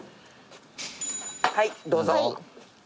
はいどうぞ。